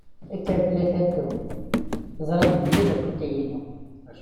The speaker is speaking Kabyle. Kker fell-ak a Tom! Teẓṛiḍ belli d afutay-inu.